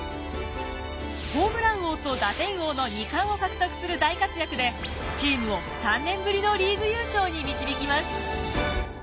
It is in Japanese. ホームラン王と打点王の２冠を獲得する大活躍でチームを３年ぶりのリーグ優勝に導きます。